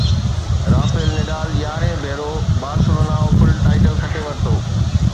Rafale Nadal يارهين ڀيرو Barcelona Open title کٽي ورتو